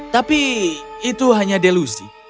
tapi itu hanya delusi